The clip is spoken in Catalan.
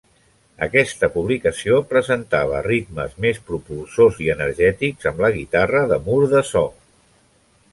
Aquesta publicació presentava ritmes més propulsors i energètics amb la guitarra de "mur de so".